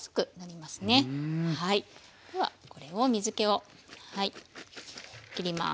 ではこれを水けをはいきります。